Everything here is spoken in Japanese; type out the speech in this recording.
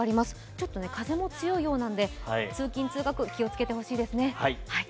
ちょっと風も強いようなんで通勤・通学気をつけてほしいですね。